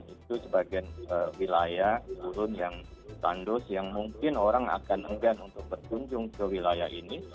itu sebagian wilayah turun yang tandus yang mungkin orang akan enggan untuk berkunjung ke wilayah ini